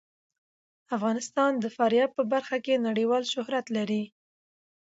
افغانستان د فاریاب په برخه کې نړیوال شهرت لري.